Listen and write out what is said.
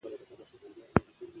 پښتو خبرې نږدې کوي.